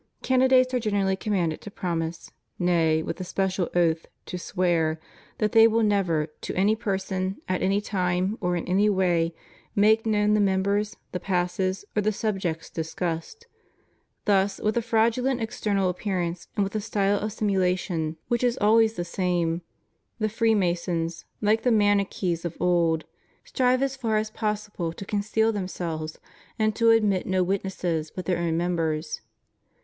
Candidates are generally commanded to promise — nay, with a special oath, to swear — that they will never, to any person, at any time or in any way, make known the members, the passes, or the subjects dis cussed. Thus, with a fraudulent external appearance, nsid with a style of simulation which is always the same, 88 FREEMASONRY. the Freemasons, like the Manichees of old, strive, aa far as possible, to conceal themselves, and to admit no witnesses but their own members.